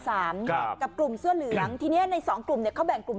ครับกับกลุ่มเสื้อเหลืองทีเนี้ยในสองกลุ่มเนี่ยเขาแบ่งกลุ่ม